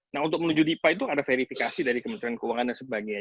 nah untuk menuju dipa itu ada verifikasi dari kementerian keuangan dan sebagainya